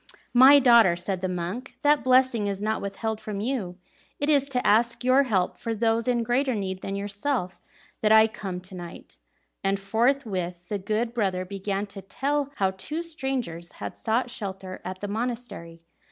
"My daughter," said the monk, "that blessing is not withheld from you. It is to ask your help for those in greater need than yourself that I am come to night." And forthwith the good brother began to tell how two strangers had sought shelter at the monastery.